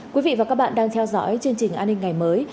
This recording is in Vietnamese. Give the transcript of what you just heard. quý vị và các bạn đang theo dõi chương trình an ninh ngày mới